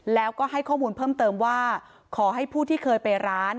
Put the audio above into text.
แล้วก็ให้ข้อมูลเพิ่มเติมว่าขอให้ผู้ที่เคยไปร้าน